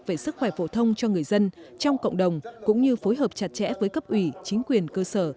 về sức khỏe phổ thông cho người dân trong cộng đồng cũng như phối hợp chặt chẽ với cấp ủy chính quyền cơ sở